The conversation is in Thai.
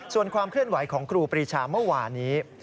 ส่วนความเคลื่อนไหวของครูปรีชาเมื่อวานี้